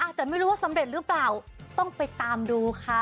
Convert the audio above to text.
แต่ไม่รู้ว่าสำเร็จหรือเปล่าต้องไปตามดูค่ะ